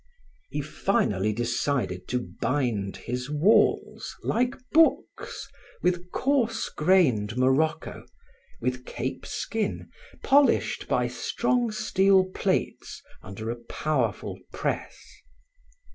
He finally decided to bind his walls, like books, with coarse grained morocco, with Cape skin, polished by strong steel plates under a powerful press.